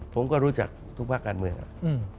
ผมก็รู้จักทุกภาคการเมืองครับ